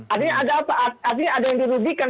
artinya ada apa artinya ada yang dirugikan